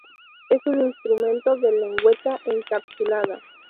Es un instrumento de lengüeta encapsulada.